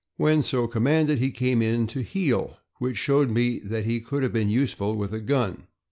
When so commanded he came in to heel, which showed me that he could have been useful with a gun.